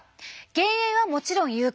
減塩はもちろん有効！